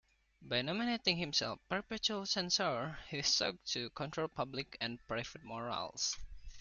By nominating himself perpetual censor, he sought to control public and private morals.